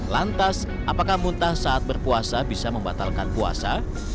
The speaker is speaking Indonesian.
lantas apakah muntah saat berpuasa bisa membatalkan puasa